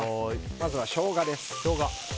まずは、ショウガです。